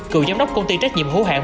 cựu giám đốc công ty trách nhiệm hữu hạng